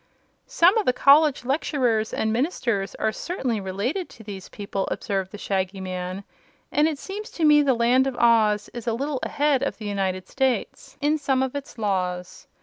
"Some of the college lecturers and ministers are certainly related to these people," observed the Shaggy Man; "and it seems to me the Land of Oz is a little ahead of the United States in some of its laws.